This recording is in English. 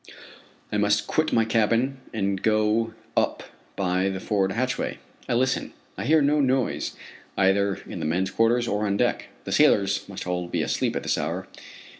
I must quit my cabin and go up by the forward hatchway. I listen. I hear no noise, either in the men's quarters, or on deck. The sailors must all be asleep at this hour.